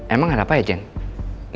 emang ada apa ya jane